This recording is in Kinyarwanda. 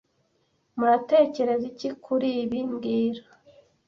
Muratekereza iki kuri ibi mbwira